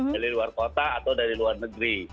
dari luar kota atau dari luar negeri